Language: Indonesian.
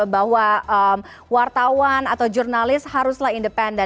bahwa wartawan atau jurnalis haruslah independen